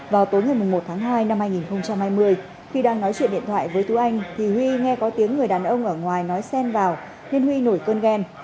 vào tối ngày một tháng hai năm hai nghìn hai mươi khi đang nói chuyện điện thoại với tú anh thì huy nghe có tiếng người đàn ông ở ngoài nói xen vào nên huy nổi cơn ghen